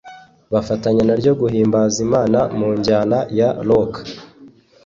bafatanya naryo guhimbaza Imana mu njyana ya Rock